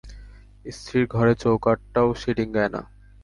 স্ত্রীর ঘরের চৌকাটও সে ডিঙায় না।